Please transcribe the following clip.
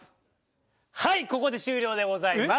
はいここで終了でございます。